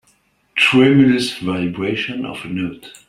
Tremulous vibration of a note